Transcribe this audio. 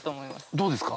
どうですか？